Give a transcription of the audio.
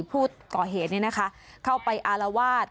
ผู้ก่อเหนี่ยนะคะเข้าไปอารวาด